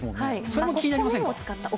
それも気になりませんか？